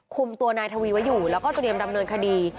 คุมตัวนายทวีไว้อยู่แล้วก็เตรียมดำเนินคดี